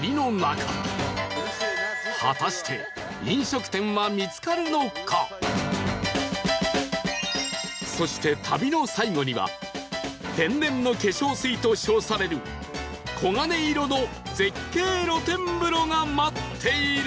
果たしてそして旅の最後には天然の化粧水と称される黄金色の絶景露天風呂が待っている